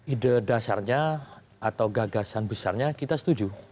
ide dasarnya atau gagasan besarnya kita setuju